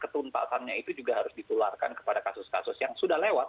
ketuntasannya itu juga harus ditularkan kepada kasus kasus yang sudah lewat